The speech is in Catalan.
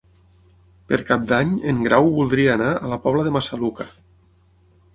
Per Cap d'Any en Grau voldria anar a la Pobla de Massaluca.